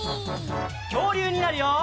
きょうりゅうになるよ！